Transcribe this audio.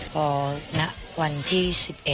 พอณวันที่๑๑